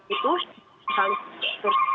itu salah satu